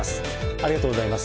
ありがとうございます。